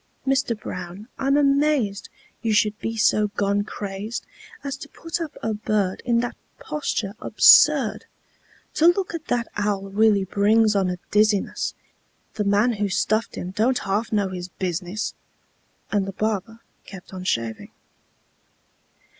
Mister Brown, I'm amazed You should be so gone crazed As to put up a bird In that posture absurd! To look at that owl really brings on a dizziness; The man who stuffed him don't half know his business!" And the barber kept on shaving.